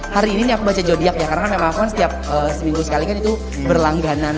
hari ini nih aku baca jodiak ya karena memang aku kan setiap seminggu sekali kan itu berlangganan